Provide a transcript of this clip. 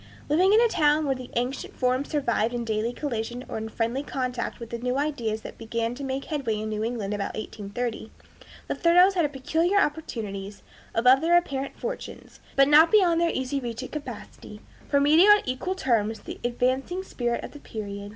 Living in a town where the ancient forms survived in daily collision or in friendly contact with the new ideas that began to make headway in New England about 1830, the Thoreaus had peculiar opportunities, above their apparent fortunes, but not beyond their easy reach of capacity, for meeting on equal terms the advancing spirit of the period.